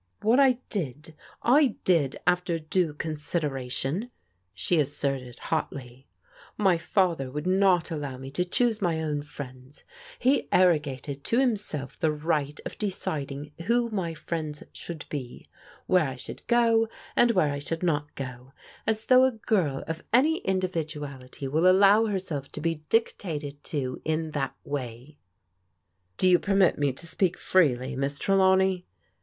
" What I did, I did after due consideration/' she as erted hotly. " My father would not allow me to choose ly own friends. He arrogated to himself the right of leciding who my friends should be, where I shot^d go, ind where I should not go ; as though a girl of any indi iduality will allow herself to be dictated to in that way/^ " Do you permit me to speak freely. Miss Trelawney